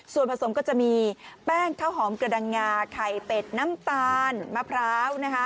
ส่วนผสมก็จะมีแป้งข้าวหอมกระดังงาไข่เป็ดน้ำตาลมะพร้าวนะคะ